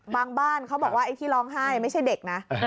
บ้านเขาบอกว่าไอ้ที่ร้องไห้ไม่ใช่เด็กนะ